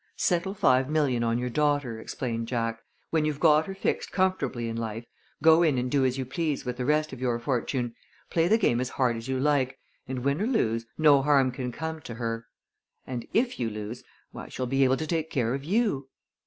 "Settle five million on your daughter," explained Jack. "When you've got her fixed comfortably in life, go in and do as you please with the rest of your fortune. Play the game as hard as you like, and, win or lose, no harm can come to her and if you lose, why, she'll be able to take care of you."